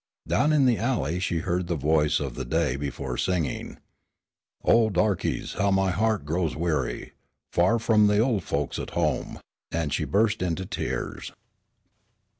Down in the alley she heard the voice of the day before singing: "Oh, darkies, how my heart grows weary, Far from the old folks at home." And she burst into tears.